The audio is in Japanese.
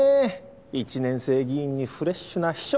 １年生議員にフレッシュな秘書。